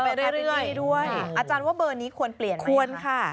เออไปเรื่อยอาจารย์ว่าเบอร์นี้ควรเปลี่ยนไหมคะ